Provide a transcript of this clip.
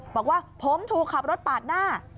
บอกว่าผมถูกขับรถปาดหน้า